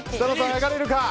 上がれるか。